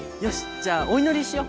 じゃあおいのりしよ！